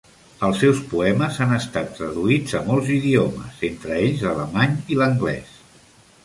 Els seus poemes han estat traduïts a molts idiomes, entre ells l'alemany i l'anglès.